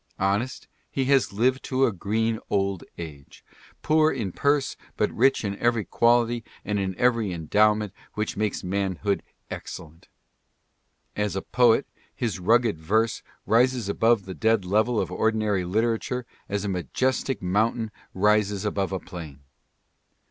Honest, he has lived to a green old age, poor in purse but rich in every quality and in every endowment which makes manhood excellent. As a poet, his rugged verse rises above the dead level of ordinary literature as a majestic moun tain rises above a plain.